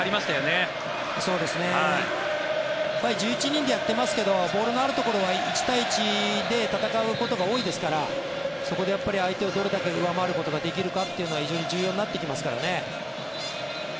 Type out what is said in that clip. １１人でやっていますけどボールのあるところは１対１で戦うことが多いですからそこで相手をどれだけ上回ることができるかというのは非常に重要になってきますからね。